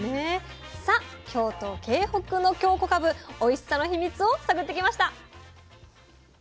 さあ京都・京北の京こかぶおいしさの秘密を探ってきました。